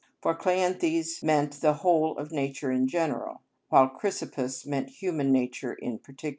For Kleanthes meant the whole of nature in general, while Chrysippus meant human nature in particular (Diog.